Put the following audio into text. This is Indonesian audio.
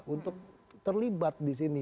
untuk terlibat di sini